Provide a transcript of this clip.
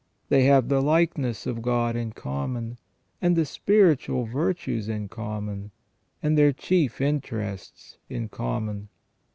They have the likeness of God in common ; and the spiritual virtues in common ; and their chief interests in common.